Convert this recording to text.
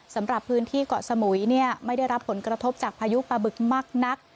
สำหรับพื้นที่เกาะสมุยไม่ได้รับผลกระทบจากพายุปลาบึกมากนัก